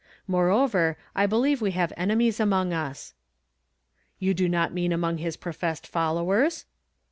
Moreover, I believe we have enemies among us." "You do not mean among his professed fol owers